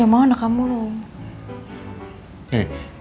ya mau anak kamu loh